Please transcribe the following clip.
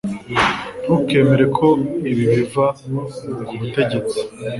Ntukemere ko ibi biva kubutegetsi